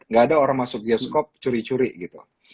gak ada orang masuk bioskop curi curi gitu